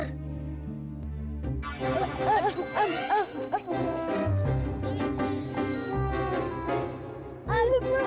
aduh aduh aduh